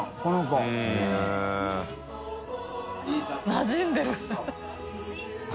なじんでる。